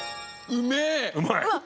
うめえ！